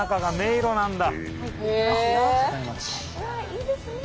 いいですね。